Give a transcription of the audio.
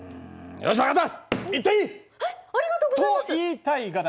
よし分かった。